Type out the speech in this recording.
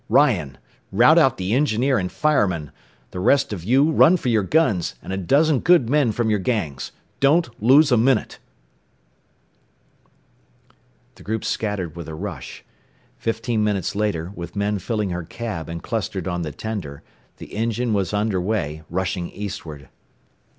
"Ryan, rout out the engineer and firemen! The rest of you run for your guns, and a dozen good men from your gangs! Don't lose a minute!" [Illustration: THE INDIAN PULLED UP IN A CLOUD OF DUST.] The group scattered with a rush. Fifteen minutes later, with men filling her cab and clustered on the tender, the engine was under way, rushing eastward.